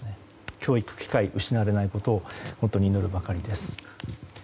教育機会が失われないことを本当に祈るばかりです。